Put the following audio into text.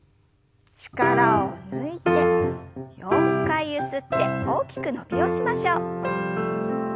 力を抜いて４回ゆすって大きく伸びをしましょう。